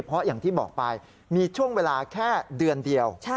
เพราะอย่างที่บอกไปมีช่วงเวลาแค่เดือนเดียว